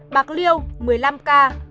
bạc liêu một mươi năm ca